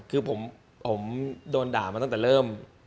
คือผมโดนด่ามาตั้งแต่เริ่ม